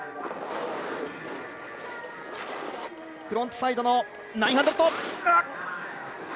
フロントサイド９００。